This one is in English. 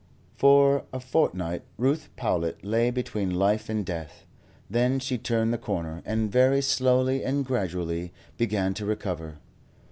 For a fortnight Ruth Powlett lay between life and death, then she turned the corner, and very slowly and gradually began to recover.